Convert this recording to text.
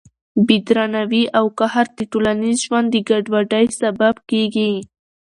بې درناوي او قهر د ټولنیز ژوند د ګډوډۍ سبب کېږي.